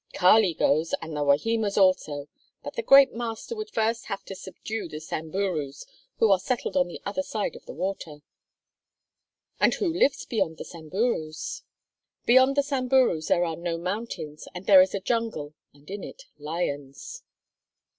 "Kali goes and the Wahimas also, but the great master would first have to subdue the Samburus, who are settled on the other side of the water." "And who lives beyond the Samburus?" "Beyond the Samburus there are no mountains, and there is a jungle, and in it lions."